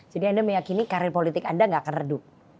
jadi anda meyakini karir politik anda nggak akan redup